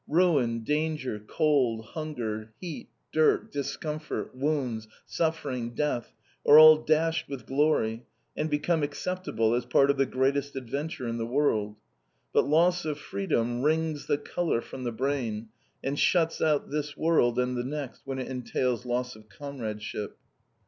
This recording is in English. Ruin, danger, cold, hunger, heat, dirt, discomfort, wounds, suffering, death, are all dashed with glory, and become acceptable as part of the greatest adventure in the world. But loss of freedom wrings the colour from the brain, and shuts out this world and the next when it entails loss of comradeship.